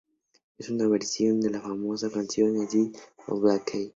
Es una versión de la famosa canción de Eddie Cooley y Otis Blackwell.